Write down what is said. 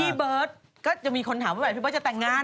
พี่เบิร์ตก็จะมีคนถามว่าพี่เบิร์ตจะแต่งงาน